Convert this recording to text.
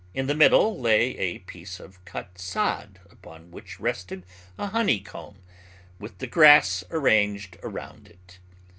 In the middle lay a piece of cut sod upon which rested a honeycomb with the grass arranged around it.